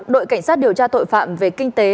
đội cảnh sát điều tra tội phạm về kinh tế